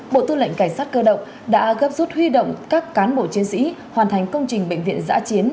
bộ tư lệnh cảnh sát cơ động đã gấp rút huy động các cán bộ chiến sĩ hoàn thành công trình bệnh viện giã chiến